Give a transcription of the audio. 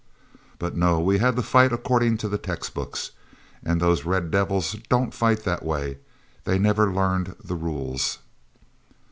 "But no! We had to fight according to the textbooks. And those red devils don't fight that way; they never learned the rules."